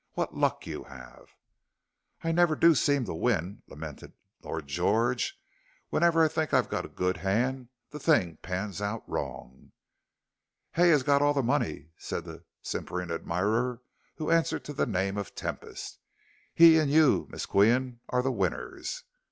What luck you have!" "I never do seem to win," lamented Lord George. "Whenever I think I've got a good hand, the thing pans out wrong." "Hay has got all the money," said the simpering admirer who answered to the name of Tempest. "He and you, Miss Qian, are the winners."